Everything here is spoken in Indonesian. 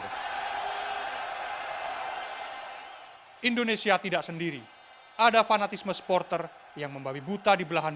tidak saya ingin melakukan sesuatu yang tidak bisa dilakukan